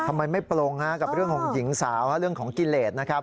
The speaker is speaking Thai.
ทำไมไม่ปลงกับเรื่องของหญิงสาวเรื่องของกิเลสนะครับ